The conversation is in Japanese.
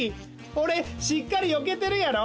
おれしっかりよけてるやろ？